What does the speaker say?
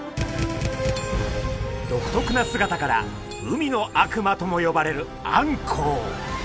独特な姿から海の悪魔とも呼ばれるあんこう。